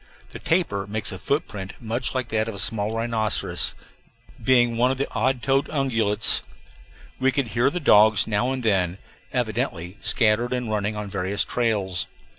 The tapir makes a footprint much like that of a small rhinoceros, being one of the odd toed ungulates. We could hear the dogs now and then, evidently scattered and running on various trails.